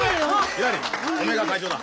ひらりおめえが会長だ。